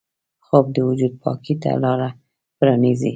خوب د وجود پاکۍ ته لاره پرانیزي